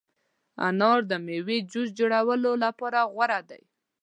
انار د مېوې جوس جوړولو لپاره غوره دی.